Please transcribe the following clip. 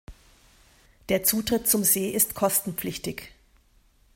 Der Zutritt zum See ist kostenpflichtig.